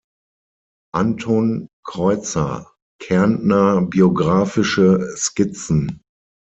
Anton Kreuzer: "Kärntner Biographische Skizzen.